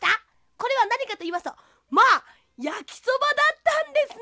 これはなにかといいますとまあやきそばだったんですね！